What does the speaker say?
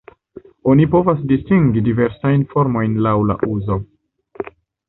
Oni povas distingi diversajn formojn laŭ la uzo.